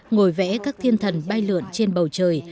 ngồi vẽ các thiên thần bay lượn trên bầu trời